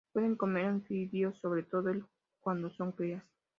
Pueden comer anfibios, sobre todo cuando son crías.